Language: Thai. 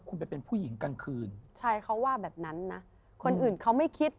คุณไปเป็นผู้หญิงกลางคืนใช่เขาว่าแบบนั้นนะคนอื่นเขาไม่คิด